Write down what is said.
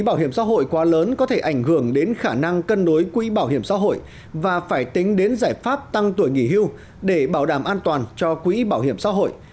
bảo hiểm xã hội quá lớn có thể ảnh hưởng đến khả năng cân đối quỹ bảo hiểm xã hội và phải tính đến giải pháp tăng tuổi nghỉ hưu để bảo đảm an toàn cho quỹ bảo hiểm xã hội